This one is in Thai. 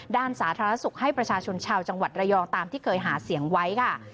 สาธารณสุขให้ประชาชนชาวจังหวัดระยองตามที่เคยหาเสียงไว้ค่ะ